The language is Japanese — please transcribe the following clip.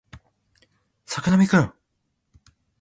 作並くん